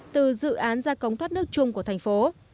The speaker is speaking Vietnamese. từ dự án ra cống thoát nước chung của thành phố